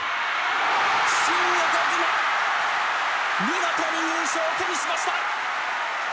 見事に優勝を手にしました！